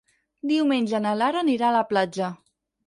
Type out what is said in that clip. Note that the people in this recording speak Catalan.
Diumenge na Lara anirà a la platja.